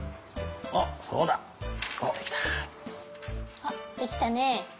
あっできたね。